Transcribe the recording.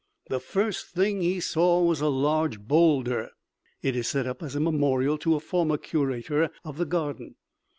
The first thing he saw was a large boulder it is set up as a memorial to a former curator of the garden.